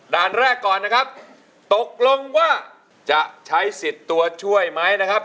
ด้านแรกก่อนนะครับตกลงว่าจะใช้สิทธิ์ตัวช่วยไหมนะครับ